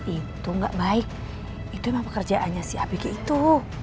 itu gak baik itu emang pekerjaannya si apg itu